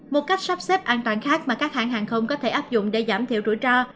một cách sắp xếp an toàn khác mà các hãng hàng không có thể áp dụng để giảm thiểu rủi ro